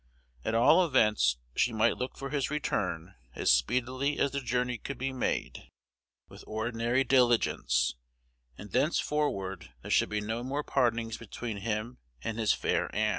At all events, she might look for his return as speedily as the journey could be made with ordinary diligence; and thenceforward there should be no more partings between him and his fair Ann.